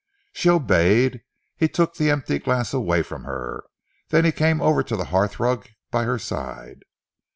She obeyed. He took the empty glass away from her. Then he came over to the hearthrug by her side.